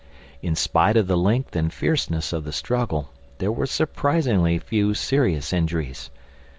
In spite of the length and fierceness of the struggle, there were surprisingly few serious injuries.